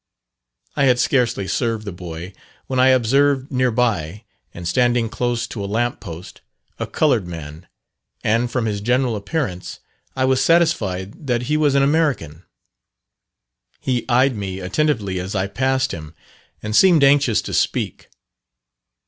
I had scarcely served the boy, when I observed near by, and standing close to a lamp post, a coloured man, and from his general appearance I was satisfied that he was an American. He eyed me attentively as I passed him, and seemed anxious to speak.